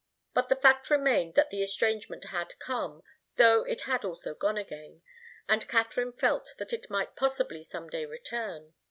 But the fact remained that the estrangement had come, though it had also gone again, and Katharine felt that it might possibly some day return.